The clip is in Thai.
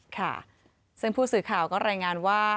ค่ะซึ่งผู้สื่อข่าวก็รายงานว่า